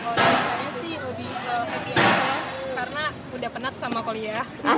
oh ini sih lebih kalau kayaknya karena sudah penat sama kuliah